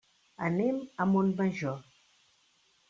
Anem a Montmajor.